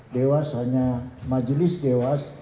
dewas hanya majelis dewas